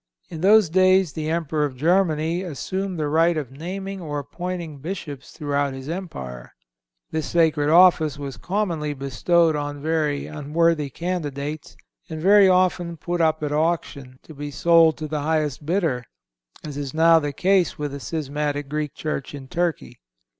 In those days the Emperor of Germany assumed the right of naming or appointing Bishops throughout his Empire. This sacred office was commonly bestowed on very unworthy candidates, and very often put up at auction, to be sold to the highest bidder, as is now the case with the schismatic Greek church in Turkey.